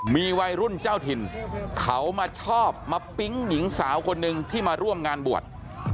มีวัยรุ่นเจ้าถิ่นเขามาชอบมาปิ๊งหญิงสาวคนหนึ่งที่มาร่วมงานบวช